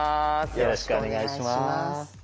よろしくお願いします。